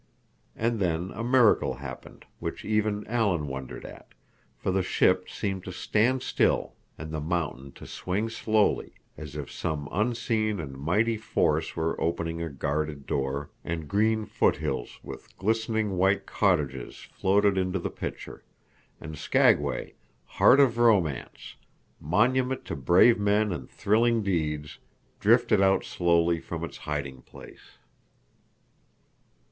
And then a miracle happened which even Alan wondered at, for the ship seemed to stand still and the mountain to swing slowly, as if some unseen and mighty force were opening a guarded door, and green foothills with glistening white cottages floated into the picture, and Skagway, heart of romance, monument to brave men and thrilling deeds, drifted out slowly from its hiding place.